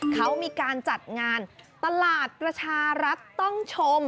เขามีการจัดงานตลาดประชารัฐต้องชม